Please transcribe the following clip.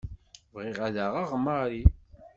Bɣiɣ ad aɣeɣ Marie.